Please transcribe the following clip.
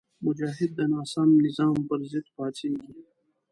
مجاهد د ناسم نظام پر ضد پاڅېږي.